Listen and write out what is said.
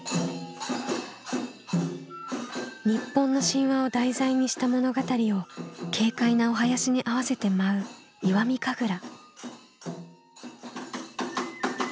日本の神話を題材にした物語を軽快なお囃子に合わせて舞う石見神楽。